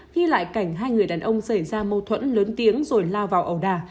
ghi lại cảnh hai người đàn ông xảy ra mâu thuẫn lớn tiếng rồi lao vào ẩu đà